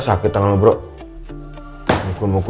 silahkan askara dulu ya